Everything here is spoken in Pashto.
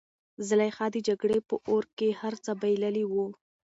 زلیخا د جګړې په اور کې هر څه بایللي وو.